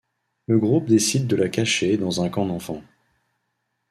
Le groupe décide de la cacher dans un camp d'enfants.